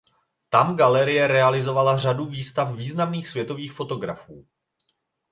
Tam galerie realizovala řadu výstav významných světových fotografů.